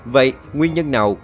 vậy nguyên nhân nào